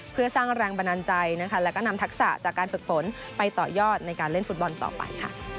เพื่อสร้างแรงบันดาลใจและก็นำทักษะจากการฝึกฝนไปต่อยอดในการเล่นฟุตบอลต่อไปค่ะ